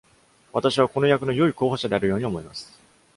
私はこの役の良い候補者であるように思います。